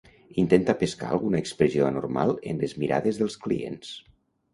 Intenta pescar alguna expressió anormal en les mirades dels clients.